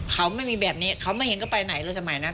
แกไม่ว่ามีแบบนี้เค้าไม่เห็นทางไปแหล่ะเลยสมัยนะ